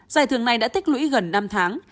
giải thưởng này đã tích lũy gần năm tháng